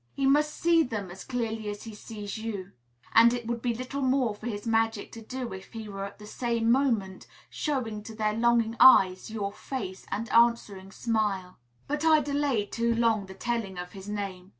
He must see them as clearly as he sees you; and it would be little more for his magic to do if he were at the same moment showing to their longing eyes your face and answering smile. But I delay too long the telling of his name.